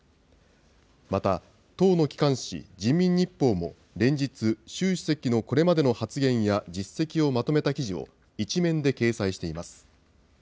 また、党の機関紙、人民日報も連日、習主席のこれまでの発言や、実績をまとめた記事を１面で掲載しています。